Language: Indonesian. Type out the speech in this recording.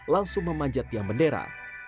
langsung memanjat tiang bendera